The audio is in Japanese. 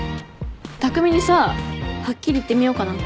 匠にさはっきり言ってみようかなって。